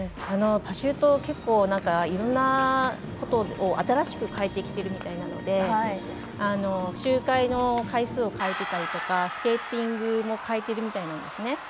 パシュート、結構いろんなことを新しく変えてきているみたいなので周回の回数を変えたりとかスケーティングも変えてるみたいなんですね。